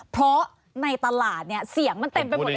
เพราะในตลาดเนี่ยเสียงมันเต็มไปหมดเลย